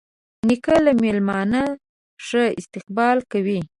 نیکه له میلمانه ښه استقبال کوي.